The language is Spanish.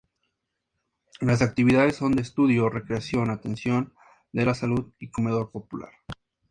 Las actividades son de estudio, recreación, atención de la salud y comedor popular.